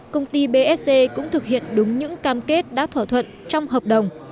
công ty bsc cũng thực hiện đúng những cam kết đã thỏa thuận trong hợp đồng